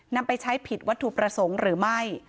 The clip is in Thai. นำไปใช้ผิดวัตถุประสงค์หรือไม่